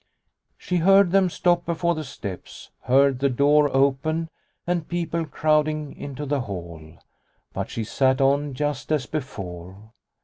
She heard them stop before the steps, heard the door open and people crowding into the hall. But she sat on just as before.